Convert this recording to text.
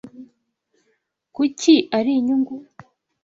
Kuki ari inyungu?